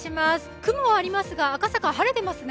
雲はありますが赤坂、晴れていますね。